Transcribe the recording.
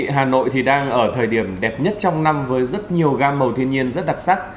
hà nội đang ở thời điểm đẹp nhất trong năm với rất nhiều gam màu thiên nhiên rất đặc sắc